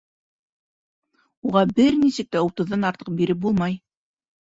Уға бер нисек тә утыҙҙан артыҡ биреп булмай.